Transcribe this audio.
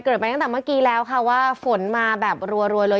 ไปตั้งแต่เมื่อกี้แล้วค่ะว่าฝนมาแบบรัวเลย